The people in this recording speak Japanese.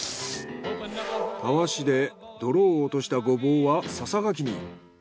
タワシで泥を落としたゴボウはささがきに。